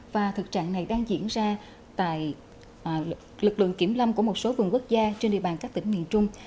và thực trạng này đang diễn ra tại lực lượng kiểm lâm của một số vườn quốc gia trên địa bàn các tỉnh miền trung